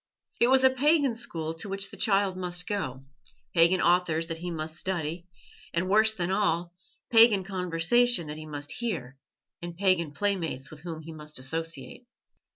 It was a pagan school to which the child must go, pagan authors that he must study, and, worse than all, pagan conversation that he must hear and pagan playmates with whom he must associate.